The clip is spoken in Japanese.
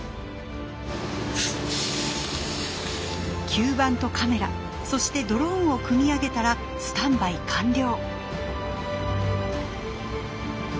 吸盤とカメラそしてドローンを組み上げたらスタンバイ完了。